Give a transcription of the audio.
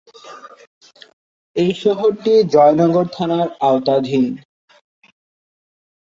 এই শহরটি জয়নগর থানার আওতাধীন।